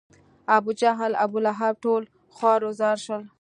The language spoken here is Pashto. ابوجهل، ابولهب ټول خوار و زار شول.